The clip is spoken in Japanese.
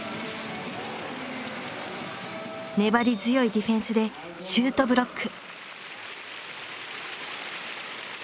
粘り強いディフェンスでシュートブロック。